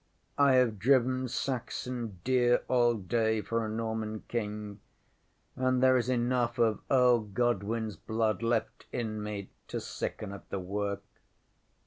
ŌĆ£I have driven Saxon deer all day for a Norman King, and there is enough of Earl GodwinŌĆÖs blood left in me to sicken at the work.